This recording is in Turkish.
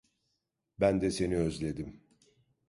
Ben de seni özledim.